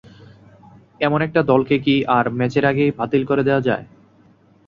এমন একটা দলকে কি আর ম্যাচের আগেই বাতিল করে দেওয়া যায়?